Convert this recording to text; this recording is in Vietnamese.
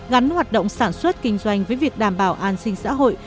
gắn hoạt động sản xuất kinh doanh với việc đảm bảo an sinh xã hội